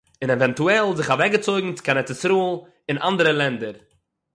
און עווענטועל זיך אַוועקגעצויגן קיין ארץ ישראל און אַנדערע לענדער